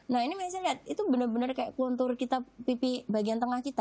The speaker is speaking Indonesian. nah ini bisa dilihat itu benar benar kayak puntur pipi bagian tengah kita